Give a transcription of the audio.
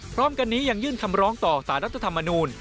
พร้อมกันนี้ยังยื่นคำร้องต่อสารรัฐธรรมนูล